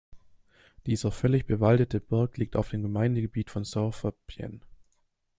Dieser völlig bewaldete Berg liegt auf dem Gemeindegebiet von Saint-Fabien.